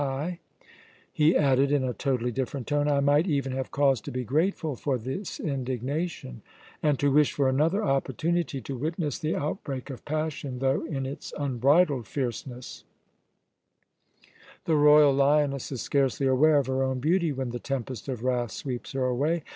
Ay," he added in a totally different tone, "I might even have cause to be grateful for this indignation, and to wish for another opportunity to witness the outbreak of passion though in its unbridled fierceness the royal lioness is scarcely aware of her own beauty when the tempest of wrath sweeps her away.